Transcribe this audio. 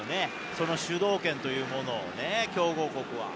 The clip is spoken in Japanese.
その主導権というものをね、強豪国は。